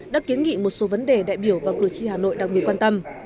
đã kiến nghị một số vấn đề đại biểu và cử tri hà nội đang bị quan tâm